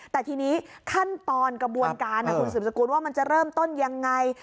แต่ทีนี้ขั้นตอนกระบวนการคุณสืบสกุลว่ามันจะเริ่มต้นยังไง